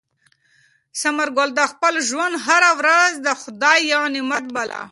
ثمر ګل د خپل ژوند هره ورځ د خدای یو نعمت باله.